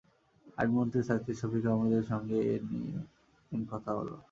আইনমন্ত্রী থাকতে শফিক আহমেদের সঙ্গে এ নিয়ে একদিন কথা হলো।